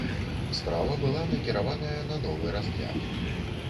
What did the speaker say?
Справа была накіраваная на новы разгляд.